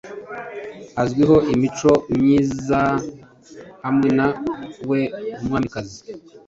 Azwiho imico myizahamwe na we umwamikazi-